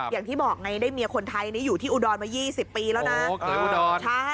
อย่างที่บอกไงได้เมียคนไทยอยู่ที่อุดรมา๒๐ปีแล้วนะ